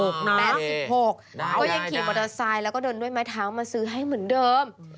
ก็ยังขี่มอเตอร์ไซค์แล้วก็เดินด้วยไม้เท้ามาซื้อให้เหมือนเดิม